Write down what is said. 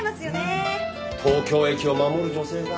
「東京駅を守る女性」か。